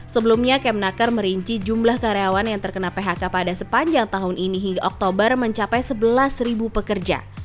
sebelumnya kemnaker merinci jumlah karyawan yang terkena phk pada sepanjang tahun ini hingga oktober mencapai sebelas pekerja